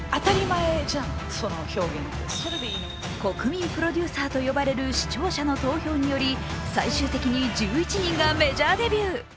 国民プロデューサーと呼ばれる視聴者の投票により最終的に１１人がメジャーデビュー。